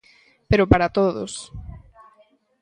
Pero para todos.